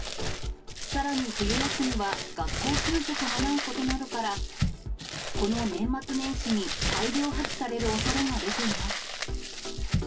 さらに冬休みは学校給食もないことなどから、この年末年始に、大量破棄されるおそれが出ています。